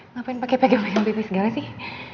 ngapain pakai pegang pegang pipi segala sih